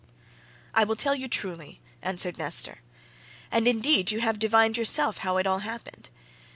"I will tell you truly," answered Nestor, "and indeed you have yourself divined how it all happened.